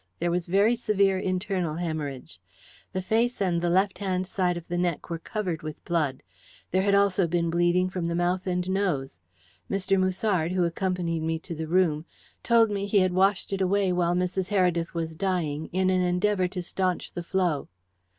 There was very severe internal hæmorrhage. The face and the left hand side of the neck were covered with blood. There had also been bleeding from the mouth and nose. Mr. Musard, who accompanied me to the room, told me he had washed it away while Mrs. Heredith was dying, in an endeavour to staunch the flow."